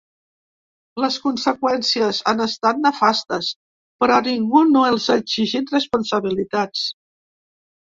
Les conseqüències han estat nefastes, però ningú no els ha exigit responsabilitats.